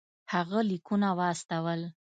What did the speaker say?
هغه لیکونه واستول.